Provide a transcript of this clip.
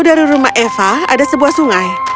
di sebuah rumah eva ada sebuah sungai